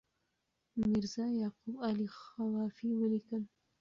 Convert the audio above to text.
میرزا یعقوب علي خوافي ولیکل.